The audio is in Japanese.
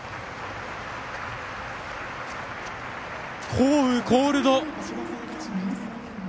降雨コールド。